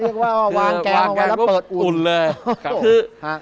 เรียกว่าวางแกงเอาไว้แล้วเปิดอุ่น